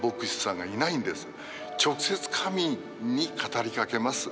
直接神に語りかけます。